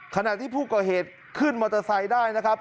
ขณะที่ผู้ก่อเหตุขึ้นมอเตอร์ไซค์ได้นะครับ